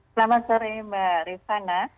selamat sore mbak rifana